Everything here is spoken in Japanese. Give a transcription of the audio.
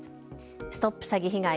ＳＴＯＰ詐欺被害！